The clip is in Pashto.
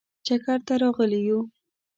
چکر ته راغلي یو.